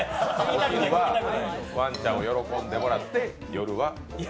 ワンちゃんも喜んでもらって、夜は。